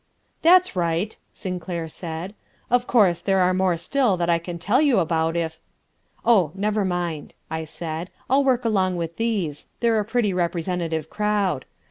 "That's right," Sinclair said. "Of course, there are more still that I can tell you about if...." "Oh, never mind," I said, "I'll work along with those, they're a pretty representative crowd.